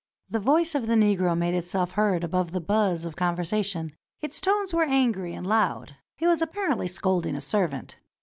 The voice of the Negro made itself heard above the buzz of conversation; its tones were angry and loud. He was apparently scolding a servant.